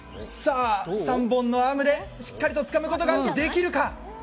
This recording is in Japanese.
３本のアームでしっかりとつかむことができるか。